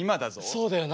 そうだよな。